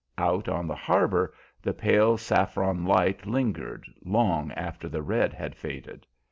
Out on the harbor the pale saffron light lingered, long after the red had faded.